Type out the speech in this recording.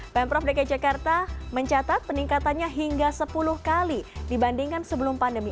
pemprov dki jakarta mencatat peningkatannya hingga sepuluh kali dibandingkan sebelum pandemi